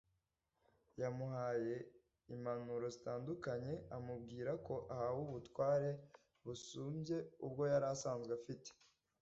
yamuhaye impanuro zitandukanye amubwira ko ahawe ubutware busubye ubwo yari asazwe afite